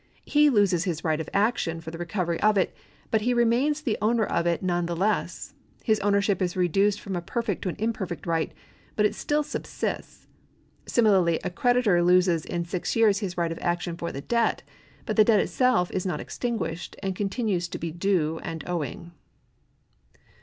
He loses his right of action for the recovery of it, but he remains the owner of it none the less. His ownership is reduced from a perfect to an imperfect right, but it still subsists. Similarly a creditor loses in six years his right of action for the debt ; but the debt itself is not extinguished, and continues to be due and owing.